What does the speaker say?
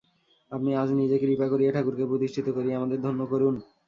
আপনি আজ নিজে কৃপা করিয়া ঠাকুরকে প্রতিষ্ঠিত করিয়া আমাদের ধন্য করুন।